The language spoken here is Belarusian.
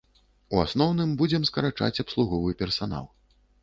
У асноўным будзем скарачаць абслуговы персанал.